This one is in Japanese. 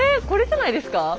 これじゃないですか？